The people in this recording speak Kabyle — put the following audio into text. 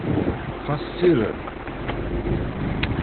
Xas sired.